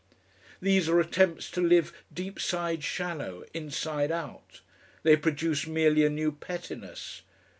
These are attempts to live deep side shallow, inside out. They produce merely a new pettiness.